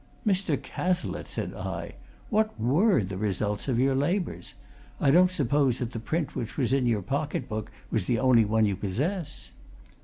"Mr. Cazalette!" said I, "what were the results of your labours? I don't suppose that the print which was in your pocket book was the only one you possess?"